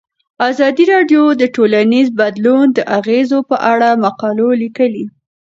ازادي راډیو د ټولنیز بدلون د اغیزو په اړه مقالو لیکلي.